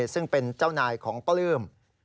ซึ่งเป็นเจ้านายของปลื้ม